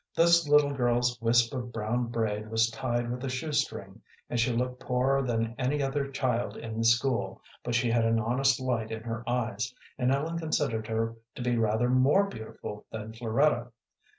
This little girl's wisp of brown braid was tied with a shoe string, and she looked poorer than any other child in the school, but she had an honest light in her eyes, and Ellen considered her to be rather more beautiful than Floretta.